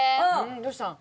どうしたん？